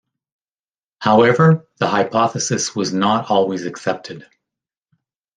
However the hypothesis was not always accepted.